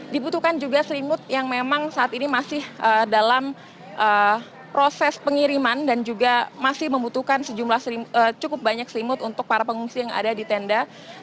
dibutuhkan juga selimut yang memang saat ini masih dalam proses pengiriman dan juga masih membutuhkan cukup banyak selimut untuk para pengungsi yang ada di tenda